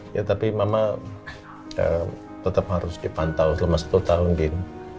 ya tapi mama tetap harus dipantau selama satu tahun din